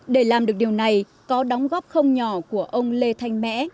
để làm được điều này có đóng góp không nhỏ của ông lê thanh mẽ